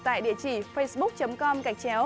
tại địa chỉ facebook com gạch chéo